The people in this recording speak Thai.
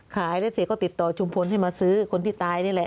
ขายแล้วเสร็จก็ติดต่อชุมพลให้มาซื้อคนที่ตายนี่แหละ